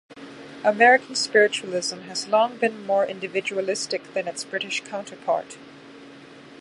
American spiritualism has long been more individualistic than its British counterpart.